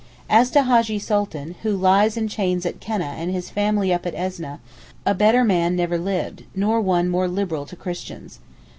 As to Hajjee Sultan, who lies in chains at Keneh and his family up at Esneh, a better man never lived, nor one more liberal to Christians.